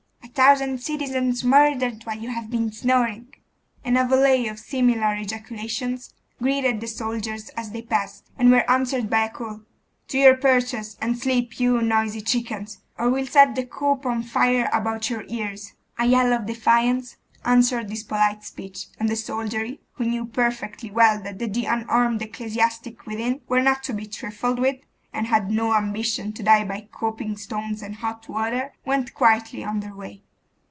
'A thousand citizens murdered while you have been snoring!' and a volley of similar ejaculations, greeted the soldiers as they passed, and were answered by a cool 'To your perches, and sleep, you noisy chickens, or we'll set the coop on fire about your ears.' A yell of defiance answered this polite speech, and the soldiery, who knew perfectly well that the unarmed ecclesiastics within were not to be trifled with, and had no ambition to die by coping stones and hot water, went quietly on their way.